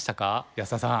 安田さん。